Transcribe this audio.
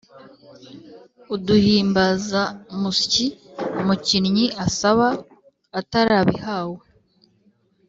uduhimbazamusyi umukinnyi asaba atarabihawe